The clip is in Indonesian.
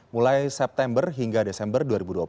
mulai september hingga desember dua ribu dua puluh